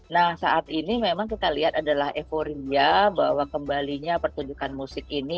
nah saat ini memang kita lihat adalah euforia bahwa kembalinya pertunjukan musik ini